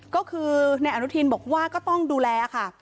ก็คือนายอนุทินบอกว่าก็ต้องดูแลค่ะ